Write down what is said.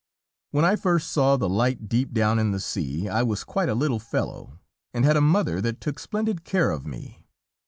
When first I saw the light, deep down in the sea, I was quite a little fellow, and had a mother that took splendid care of me.